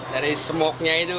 dari semoknya itu